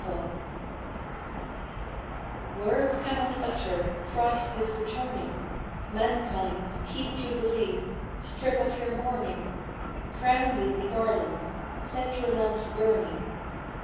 VA70RDS cannot utter Christ His returning: — Mankind, keep jubilee, Strip off your mourning, Crown you with garlands, Set your lamps burning.